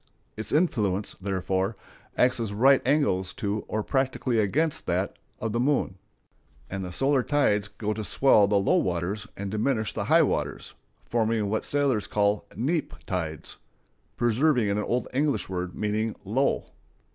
Its influence, therefore, acts at right angles to or practically against that of the moon, and the solar tides go to swell the low waters and diminish the high waters, forming what sailors call neap tides,—preserving an old English word meaning low.